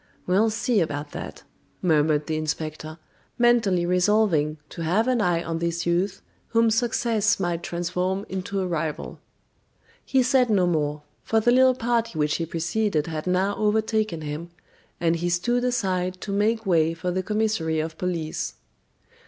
"We'll see about that," murmured the inspector, mentally resolving to have an eye on this youth whom success might transform into a rival. He said no more, for the little party which he preceded had now overtaken him, and he stood aside to make way for the commissary of police.